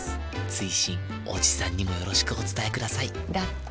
追伸おじさんにもよろしくお伝えくださいだって。